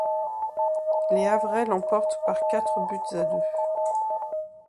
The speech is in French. Les Havrais l'emportent par quatre buts à deux.